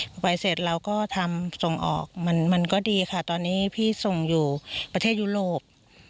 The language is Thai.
พอไปเสร็จเราก็ทำส่งออกมันก็ดีค่ะตอนนี้พี่ส่งอยู่ประเทศยุโรป